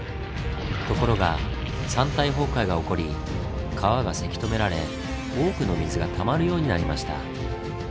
ところが山体崩壊が起こり川がせき止められ多くの水がたまるようになりました。